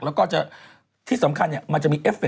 แล้วก็จะที่สำคัญเนี่ย